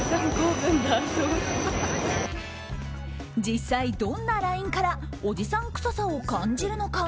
実際どんなＬＩＮＥからおじさん臭さを感じるのか。